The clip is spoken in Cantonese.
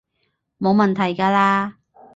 冇問題㗎喇